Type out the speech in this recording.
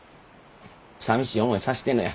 さみしい思いさしてんのや。